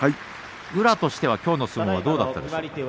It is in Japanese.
宇良としてはきょうの相撲はどうだったですか。